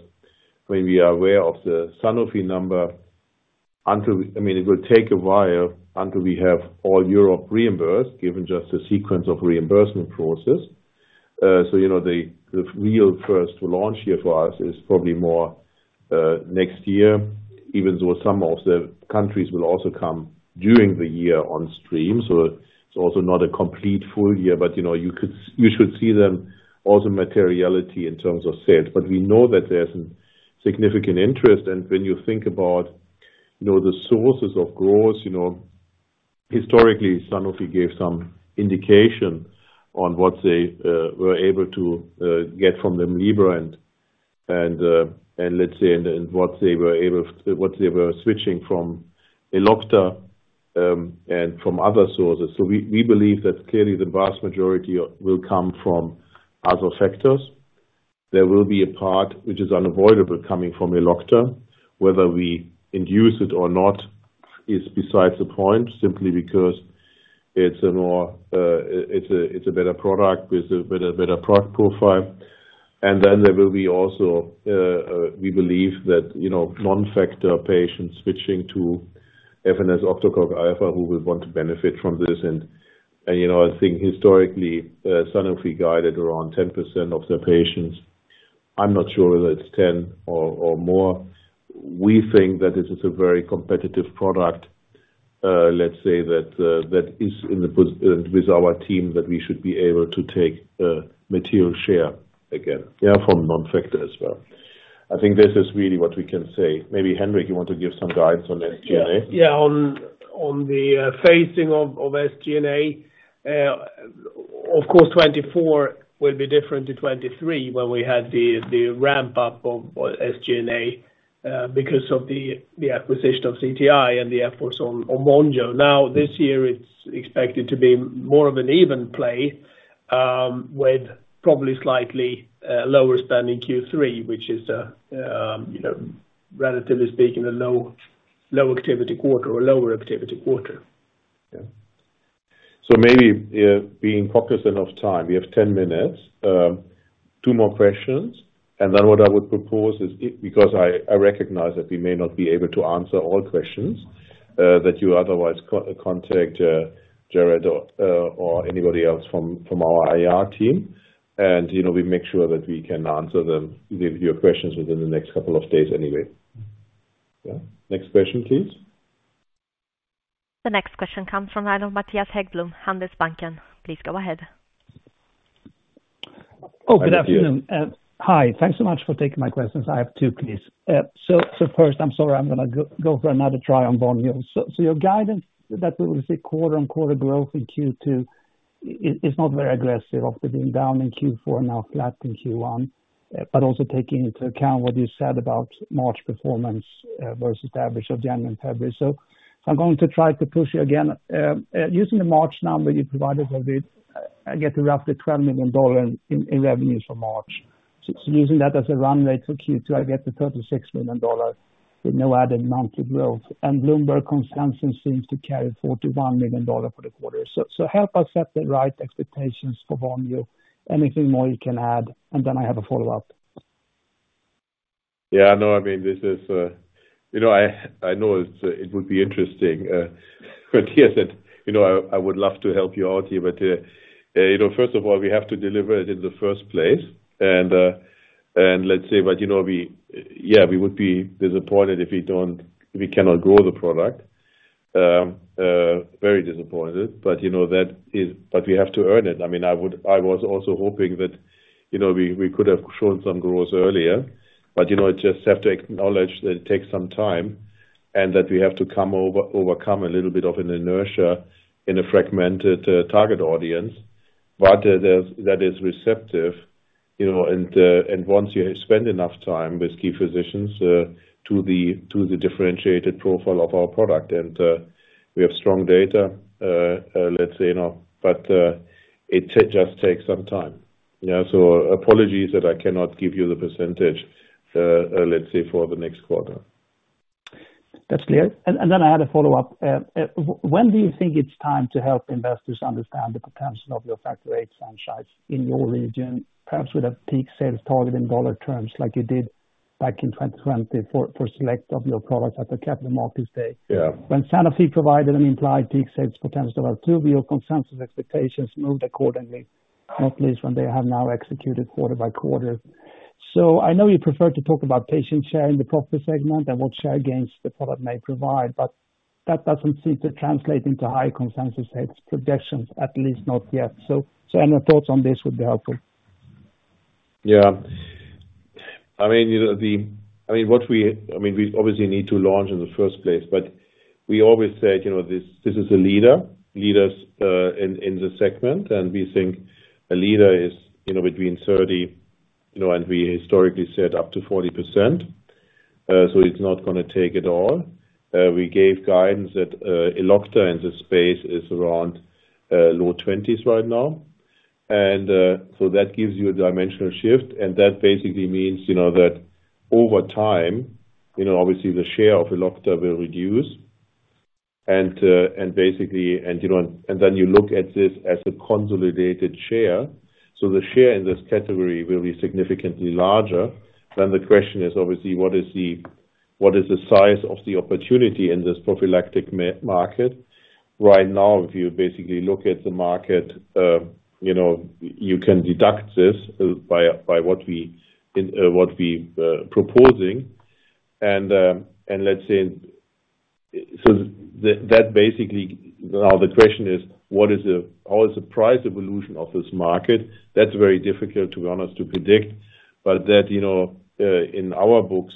I mean, we are aware of the Sanofi number until we I mean, it will take a while until we have all Europe reimbursed, given just the sequence of reimbursement process. So, you know, the real first launch year for us is probably more next year, even though some of the countries will also come during the year on stream. So it's also not a complete full year. But, you know, you should see them also materiality in terms of sales. But we know that there's a significant interest. And when you think about, you know, the sources of growth, you know, historically, Sanofi gave some indication on what they were able to get from Hemlibra and let's say, and what they were able to switch from Elocta, and from other sources. So we believe that, clearly, the vast majority will come from other factors. There will be a part which is unavoidable coming from Elocta. Whether we induce it or not is besides the point, simply because it's a better product with a better product profile. And then there will also be, we believe that, you know, non-factor patients switching to efanesoctocog alfa who will want to benefit from this. And, you know, I think, historically, Sanofi guided around 10% of their patients. I'm not sure whether it's 10% or more. We think that this is a very competitive product, let's say, that is in the position and with our team, that we should be able to take a material share again, yeah, from non-factor as well. I think this is really what we can say. Maybe, Hendrik, you want to give some guidance on SG&A? Yeah. On the phasing of SG&A. Of course, 2024 will be different to 2023 when we had the ramp-up of SG&A, because of the acquisition of CTI and the efforts on Vonjo. Now, this year, it's expected to be more of an even play, with probably slightly lower spend in Q3, which is, you know, relatively speaking, a low-activity quarter or lower-activity quarter. Yeah. So maybe, being cautious, enough time we have 10 minutes, two more questions. And then what I would propose is because I recognize that we may not be able to answer all questions, that you otherwise contact Gerard or anybody else from our IR team. You know, we make sure that we can answer them, give your questions within the next couple of days anyway. Yeah. Next question, please. The next question comes from the line of Mattias Häggblom, Handelsbanken. Please go ahead. Oh, good afternoon. Hi. Thanks so much for taking my questions. I have two, please. So, first, I'm sorry. I'm going to go for another try on Vonjo. So, your guidance that we will see quarter-on-quarter growth in Q2 is not very aggressive after being down in Q4 and now flat in Q1, but also taking into account what you said about March performance versus the average of January and February. So, I'm going to try to push you again. Using the March number you provided, did I get to roughly $12 million in revenues for March. So using that as a run rate for Q2, I get to $36 million with no added monthly growth. And Bloomberg Consensus seems to carry $41 million for the quarter. So help us set the right expectations for Vonjo. Anything more you can add? And then I have a follow-up. Yeah. No. I mean, this is, you know, I know it would be interesting. Mattias said, you know, "I would love to help you out here. But, you know, first of all, we have to deliver it in the first place." And let's say but, you know, we, yeah. We would be disappointed if we don't if we cannot grow the product. Very disappointed. But, you know, that is but we have to earn it. I mean, I would I was also hoping that, you know, we could have shown some growth earlier. But you know, I just have to acknowledge that it takes some time and that we have to overcome a little bit of an inertia in a fragmented target audience. But there is - that is receptive, you know. And once you spend enough time with key physicians to the differentiated profile of our product and we have strong data, let's say, you know, but it just takes some time. Yeah. So apologies that I cannot give you the percentage, let's say, for the next quarter. That's clear. And then I had a follow-up. When do you think it's time to help investors understand the potential of your factor eight franchise in your region, perhaps with a peak sales target in dollar terms like you did back in 2020 for some of your products at the Capital Markets Day? Yeah. When Sanofi provided an implied peak sales potential of Altuviiio, Consensus expectations moved accordingly, not least when they have now executed quarter by quarter. So I know you prefer to talk about patient share in the profit segment and what share gains the product may provide. But that doesn't seem to translate into high Consensus sales projections, at least not yet. So any thoughts on this would be helpful. Yeah. I mean, you know, the I mean, what we I mean, we obviously need to launch in the first place. But we always said, you know, this is a leader in the segment. And we think a leader is, you know, between 30, you know and we historically said up to 40%. So it's not going to take it all. We gave guidance that, Elocta in this space is around, low 20s right now. And so that gives you a dimensional shift. And that basically means, you know, that over time, you know, obviously, the share of Elocta will reduce. And basically, you know, then you look at this as a consolidated share. So the share in this category will be significantly larger. Then the question is, obviously, what is the size of the opportunity in this prophylactic market right now? If you basically look at the market, you know, you can deduct this by what we proposing. And let's say that basically now, the question is, what is how is the price evolution of this market? That's very difficult, to be honest, to predict. But that, you know, in our books,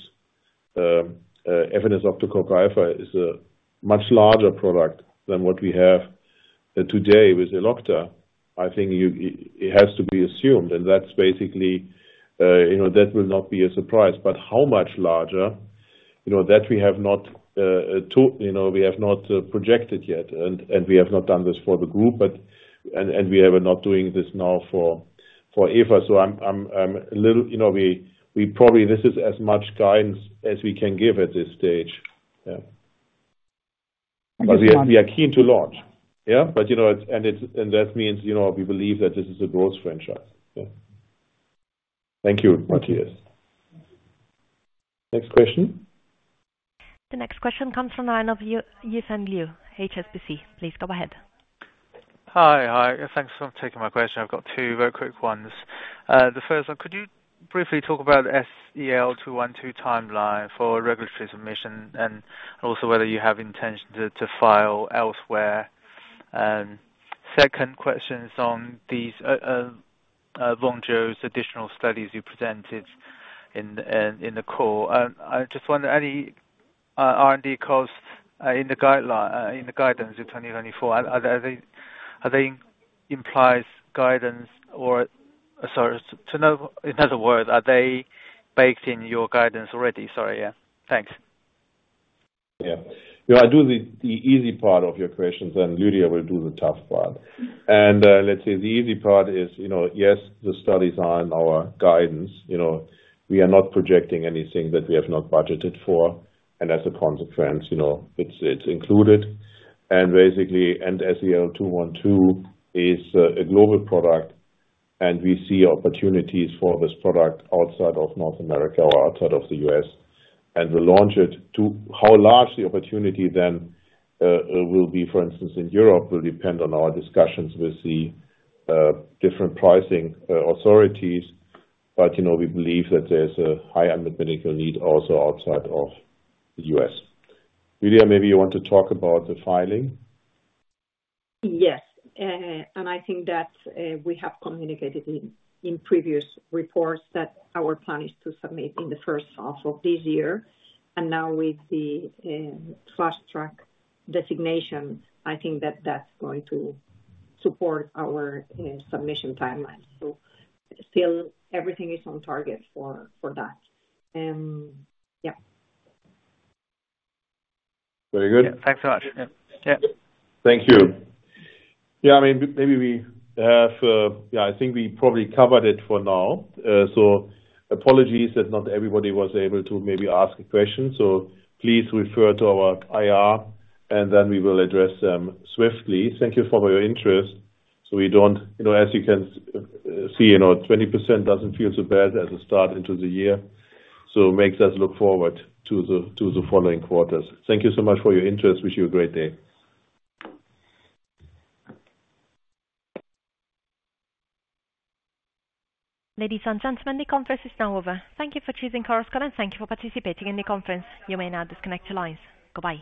efanesoctocog alfa is a much larger product than what we have today with Elocta. I think it has to be assumed. And that's basically, you know, that will not be a surprise. But how much larger, you know, that we have not projected yet. And we have not done this for the group. But we are not doing this now for Efa. So I'm a little, you know, we probably this is as much guidance as we can give at this stage. Yeah. But we are keen to launch. Yeah. But, you know, it's and that means, you know, we believe that this is a growth franchise. Yeah. Thank you, Mattias. Next question. The next question comes from the line of Yifeng Liu, HSBC. Please go ahead. Hi. Thanks for taking my question. I've got two very quick ones. The first one, could you briefly talk about the SEL-212 timeline for regulatory submission and also whether you have intention to file elsewhere? Second question is on these, Vonjo's additional studies you presented in the core. I just wonder, any R&D cost in the guidance in 2024, are they implied in guidance? Sorry. To know, in other words, are they baked in your guidance already? Sorry. Yeah. Yeah. I'll do the easy part of your questions. And Lydia will do the tough part. Let's say the easy part is, you know, yes, the studies are in our guidance. You know, we are not projecting anything that we have not budgeted for. And as a consequence, you know, it's included. And basically, SEL-212 is a global product. We see opportunities for this product outside of North America or outside of the U.S. We launch it, too. How large the opportunity then will be, for instance, in Europe, will depend on our discussions with the different pricing authorities. But you know, we believe that there's a high unmet medical need also outside of the U.S. Lydia, maybe you want to talk about the filing? Yes. And I think that we have communicated in previous reports that our plan is to submit in the first half of this year. And now, with the Fast Track designation, I think that that's going to support our submission timeline. So still, everything is on target for that. Yeah. Very good. Yeah. Thanks so much. Yeah. Thank you. Yeah. I mean, basically, yeah. I think we probably covered it for now. So, apologies that not everybody was able to maybe ask a question. So please refer to our IR. And then we will address them swiftly. Thank you for your interest. So we don't, you know, as you can see, you know, 20% doesn't feel so bad as a start into the year. So makes us look forward to the following quarters. Thank you so much for your interest. Wish you a great day. Ladies and gentlemen, the conference is now over. Thank you for choosing Chorus Call. And thank you for participating in the conference. You may now disconnect the lines. Goodbye.